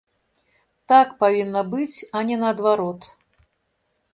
Так павінна быць, а не наадварот.